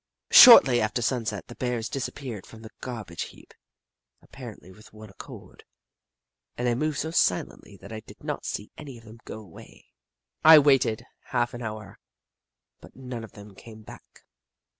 Shortly after sunset, the Bears disappeared from the garbage heap, apparently with one accord. They moved so silently that I did not see any of them go away. I waited half an hour but none of them came back.